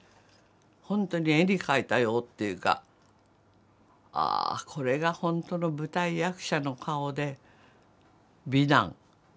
本当に絵に描いたようっていうか「ああこれが本当の舞台役者の顔で美男」。